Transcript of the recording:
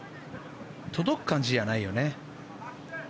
届く感じじゃないよね？